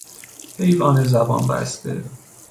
حیوان زبان بسته